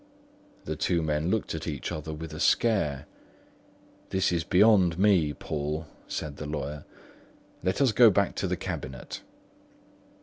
The two men looked at each other with a scare. "This is beyond me, Poole," said the lawyer. "Let us go back to the cabinet."